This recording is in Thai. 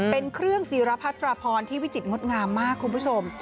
เป็นเครื่องศิรพัตราพรที่วิจิตรงดงามมากคุณผู้ชม